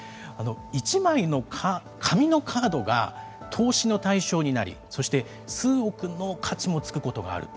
１枚の紙のカードが投資の対象になりそして数億の価値がつくこともある。